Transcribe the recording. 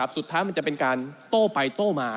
สุดท้ายมันจะเป็นการโต้ไปโต้มา